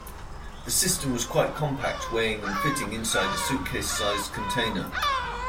The system was quite compact, weighing and fitting inside a suitcase-sized container.